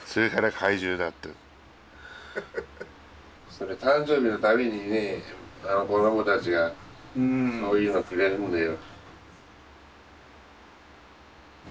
それ誕生日の度にね子供たちがそういうのくれるんだよ。